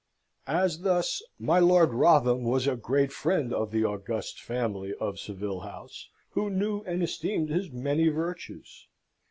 As thus. My Lord Wrotham was a great friend of the august family of Savile House, who knew and esteemed his many virtues.